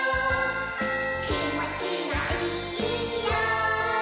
「きもちがいいよ」